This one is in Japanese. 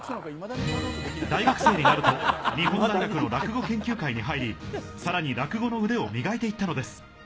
大学生になると、日本大学の落語研究会に入り、さらに、落語の腕を磨いていったのです。